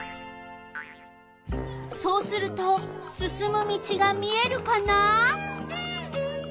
そうするとすすむ道が見えるかな？